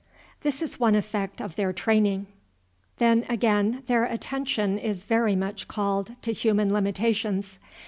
This is one effect of their training. "Then, again, their attention is very much called to human limitations.